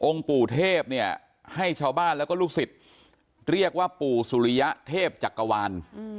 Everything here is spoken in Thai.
องค์ปู่เทพให้ชาวบ้านแล้วก็ลูกสิทธิ์เรียกว่าปู่สุริยะเทพจักกวาน